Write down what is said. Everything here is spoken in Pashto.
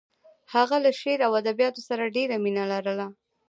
هغه له شعر او ادبیاتو سره ډېره مینه لرله